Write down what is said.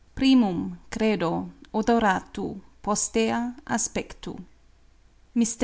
Primum, credo, odoratu, postea aspectu. Mr.